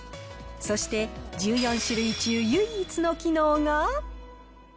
そして、１４種類中、唯一の機能が。